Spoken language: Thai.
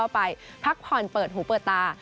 ไปพักผ่อนเปิดหูเปิดตา